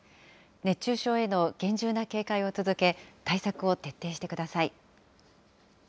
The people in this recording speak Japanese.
熱中症への厳重な警戒を続け、対策を徹底してください。